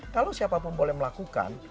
kalau siapapun boleh melakukan